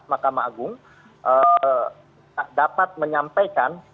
makam agung dapat menyampaikan